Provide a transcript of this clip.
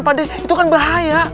pak deh itu kan bahaya